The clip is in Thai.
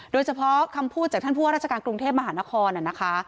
โดยเฉพาะคำพูดจากท่านผู้ว่าราชการกรุงเทพมหานครนะคะ